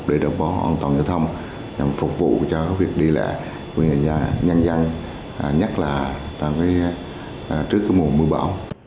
để đồng bộ an toàn giao thông nhằm phục vụ cho việc đi lạ nhanh dăng nhất là trước mùa mưa bão